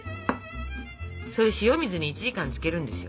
それ塩水に１時間つけるんですよ。